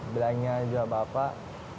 belanya aja bapak